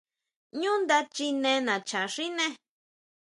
ʼÑú nda chine nacha xiné.